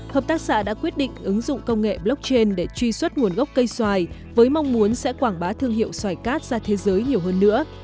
hợp tác xã đã quyết định ứng dụng công nghệ blockchain để truy xuất nguồn gốc cây xoài với mong muốn sẽ quảng bá thương hiệu xoài cát ra thế giới nhiều hơn nữa